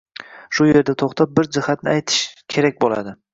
Shu yerda to‘xtab, bir jihatni aytish kerak bo‘ladi